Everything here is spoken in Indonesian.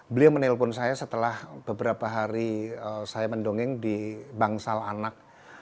beliau menelpon saya setelah beberapa hari saya mendongeng di bangsal anak